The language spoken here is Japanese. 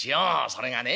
それがね